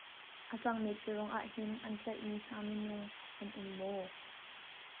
A cang mi thil ruang ah hin an tlaih mi hna minung an um maw?